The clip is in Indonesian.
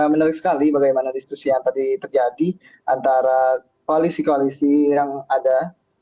menarik sekali bagaimana diskusi yang tadi terjadi antara koalisi koalisi yang ada